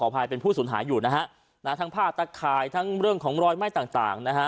ภัยเป็นผู้สูญหายอยู่นะฮะทั้งผ้าตะข่ายทั้งเรื่องของรอยไหม้ต่างต่างนะฮะ